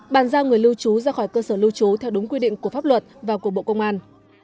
bàn giao người lưu trú ra khỏi cơ sở lưu trú theo đúng quy định của pháp luật và của bộ công an